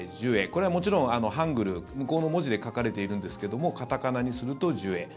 これはもちろんハングル向こうの文字で書かれているんですけども片仮名にするとジュエ。